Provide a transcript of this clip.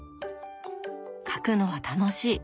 描くのは楽しい。